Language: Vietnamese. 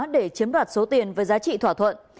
để chiếm đoạt số tiền với giá trị thỏa thuận